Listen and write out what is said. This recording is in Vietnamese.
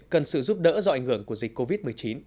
cần sự giúp đỡ do ảnh hưởng của dịch covid một mươi chín